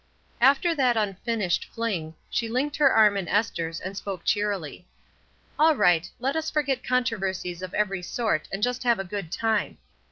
After that unfinished fling, she linked her arm in Esther's and spoke cheerily: — "All right; let us forget controversies of every sort and just have a good time.